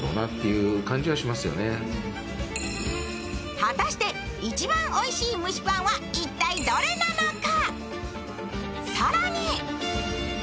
果たして一番おいしい蒸しパンは一体どれなのか？